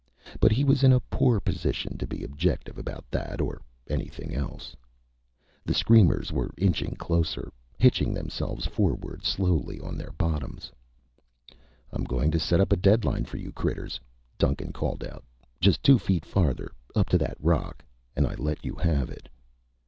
But he was in a poor position to be objective about that or anything else. The screamers were inching closer, hitching themselves forward slowly on their bottoms. "I'm going to set up a deadline for you critters," Duncan called out. "Just two feet farther, up to that rock, and I let you have it."